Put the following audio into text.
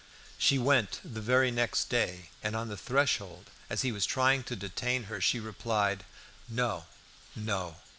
She went the very next day, and on the threshold, as he was trying to detain her, she replied "No, no!